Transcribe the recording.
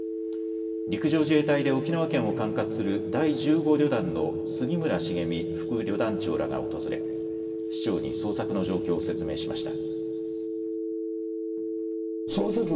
陸上自衛隊で沖縄県を管轄する第１５旅団の杉村繁実副旅団長らが訪れ市長に捜索の状況を説明しました。